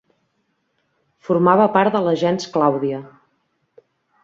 Formava part de la gens Clàudia.